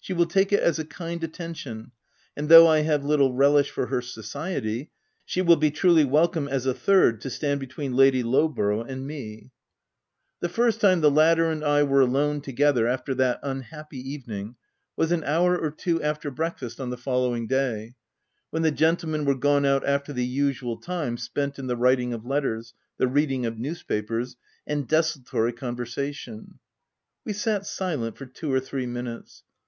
She will take it as a kind attention, and, though I have little relish for her society, she will be truly welcome as a third to stand between Lady Lowborough and me. OF WILDFELL HALL. 145 The first time the latter and I were alone together, after that unhappy evening, was an hour or two after breakfast on the following day, when the gentlemen were gone out after the usual time spent in the writing of letters, the reading of newspapers, and desultory conversa tion. We sat silent for two or three minutes.